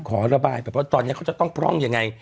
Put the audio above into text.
ขอระบายแบบว่าตอนนี้เขาจะต้องพร่องยังไง